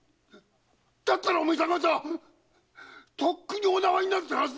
だったらお前さん方とっくにお縄になってるはずだ！